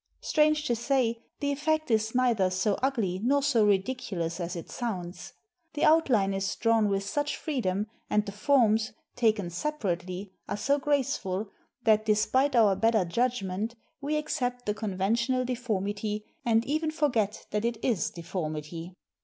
Strange to say, the effect is neither so ugly nor so ridiculous as it sounds. The out line is drawn with such freedom, and the forms, taken separately, are so graceful that, despite our better judg ment, we accept the conventional deformity, and even forget that it is deformity.